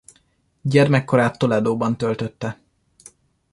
Gyermekkorát Toledo-ban töltötte.